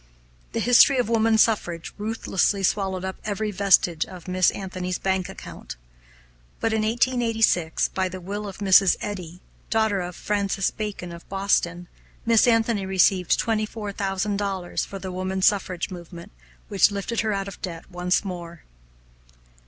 "The History of Woman Suffrage" ruthlessly swallowed up every vestige of Miss Anthony's bank account. But, in 1886, by the will of Mrs. Eddy, daughter of Francis Jackson of Boston, Miss Anthony received twenty four thousand dollars for the Woman's Suffrage Movement, which lifted her out of debt once more.